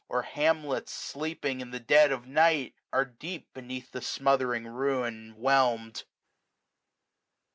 Or hamlets sleeping in the dead of night. Are deep beneath the smothering ruin whelm'd.